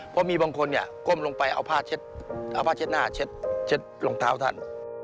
เพราะมีบางคนก้มลงไปเอาผ้าเช็ดหน้าเช็ดรองเท้าท่าน